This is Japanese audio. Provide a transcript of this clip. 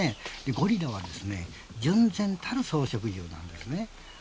ゴリラは純然たる草食獣なんですね。